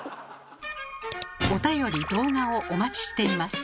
おたより・動画をお待ちしています。